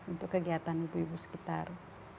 untuk kegiatan ibu ibu sekitar